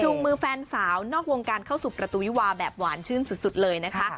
มือแฟนสาวนอกวงการเข้าสู่ประตูวิวาแบบหวานชื่นสุดเลยนะคะ